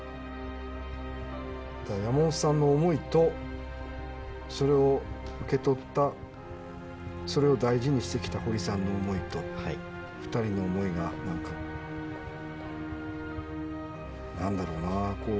山本さんの思いとそれを受け取ったそれを大事にしてきた堀さんの思いと２人の思いが何だろうなあ